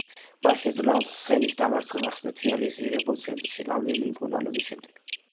მან შეძლო ამ სენის დამარცხება სპეციალიზირებულ ცენტრში გავლილი მკურნალობის შემდეგ.